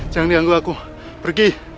jangan diganggu aku pergi